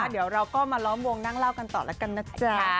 เดี๋ยวเราก็มาล้อมวงนั่งเล่ากันต่อแล้วกันนะจ๊ะ